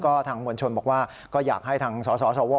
ก็ทางมวลชนบอกว่าก็อยากให้ทางสสว